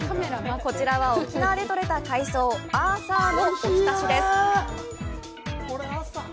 こちらは、沖縄でとれた海藻、アーサーのおひたしです。